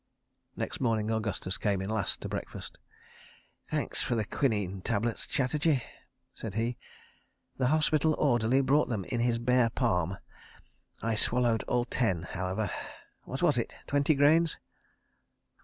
..." Next morning Augustus came in last to breakfast. "Thanks for the quinine tablets, Chatterji," said he. "The hospital orderly brought them in his bare palm. I swallowed all ten, however. What was it—twenty grains?"